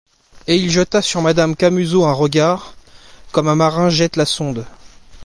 Et il jeta sur madame Camusot un regard, comme un marin jette la sonde.